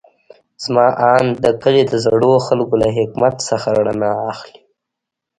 زما اند د کلي د زړو خلکو له حکمت څخه رڼا اخلي.